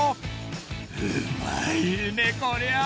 うまいねこりゃ！